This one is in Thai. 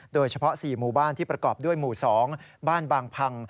โดยเฉพาะ๔หมู่บ้านที่ประกอบด้วยหมู่๒บ้านบางพัง